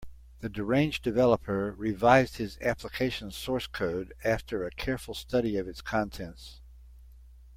The deranged developer revised his application source code after a careful study of its contents.